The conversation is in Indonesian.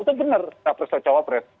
itu benar pres pak cawal pres